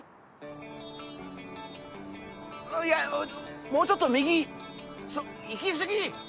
いやもうちょっと右行き過ぎ！